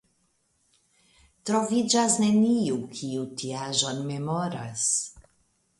Troviĝas neniu, kiu tiaĵon memoras.